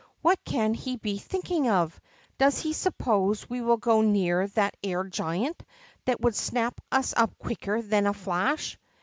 What can he be thinking of! Does he suppose we will go near that air giant, that would snap us up quicker than a flash